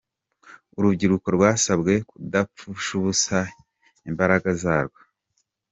Urubyiruko rwasabwe kudapfusha ubusa imbaraga zarwo.